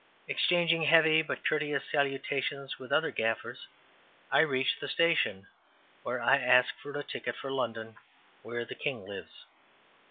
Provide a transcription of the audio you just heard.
Exchanging heavy but courteous salutations with other gaffers, I reach the station, where I ask for a ticket for London where the king lives.